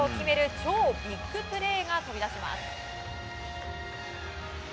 超ビッグプレーが飛び出します。